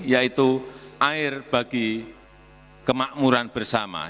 yaitu air bagi kemakmuran bersama